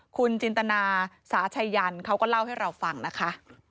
คุณจินตนาสาชัยยันเขาก็เล่าให้เราฟังนะคะ